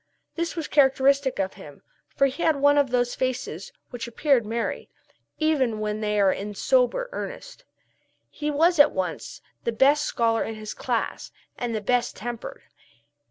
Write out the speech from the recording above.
This was characteristic of him, for he had one of those faces which appear merry, even when they are in sober earnest. He was at once the best scholar in his class and the best tempered.